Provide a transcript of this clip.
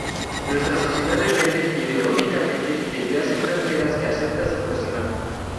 Nuestra sociedad depende ideológicamente de ideas extranjeras que acepta sin cuestionar.